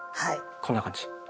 こんな感じ。